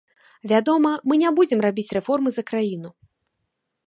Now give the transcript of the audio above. Вядома, мы не будзем рабіць рэформы за краіну.